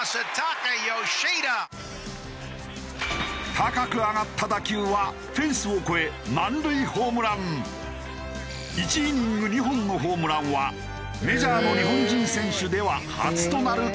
高く上がった打球はフェンスを越え１イニング２本のホームランはメジャーの日本人選手では初となる快挙だ。